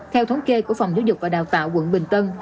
theo thống kê của phòng giáo dục và đào tạo quận bình tân